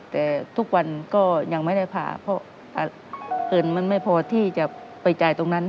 แต่ทุกวันก็ยังไม่ได้ผ่าเพราะเงินมันไม่พอที่จะไปจ่ายตรงนั้น